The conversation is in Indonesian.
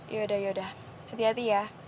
yaudah yaudah hati hati ya